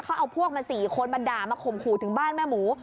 เขาเอาพวกมา๔คนมาด่ามาข่มขู่ถึงบ้านแม่หมู